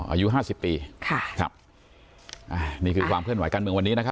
อายุ๕๐ปีนี่คือความเคลื่อนไหวกันเมืองวันนี้นะครับ